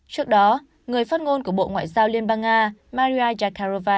trước đó người phát ngôn của bộ ngoại giao liên bang nga maria zakharova